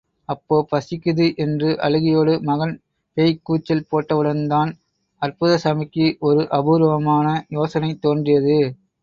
அப்பா பசிக்குது என்று அழுகையோடு மகன் பேய்க் கூச்சல் போட்டவுடன் தான், அற்புதசாமிக்கு ஒரு அபூர்வமான யோசனை தோன்றியது.